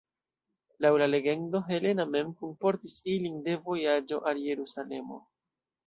Laŭ la legendo Helena mem kunportis ilin de vojaĝo al Jerusalemo.